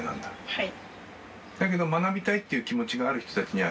はい。